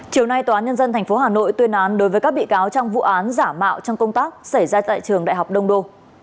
chiều nay tòa án nhân dân tp hà nội tuyên án đối với các bị cáo trong vụ án giả mạo trong công tác xảy ra tại trường đại học đông đô